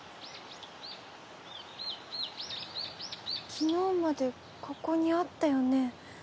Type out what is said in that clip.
昨日までここにあったよね。